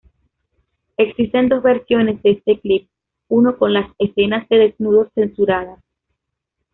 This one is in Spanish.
Existen dos versiones de este clip, uno con las escenas de desnudos censuradas.